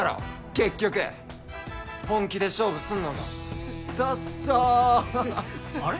結局本気で勝負すんのがダッサあれ？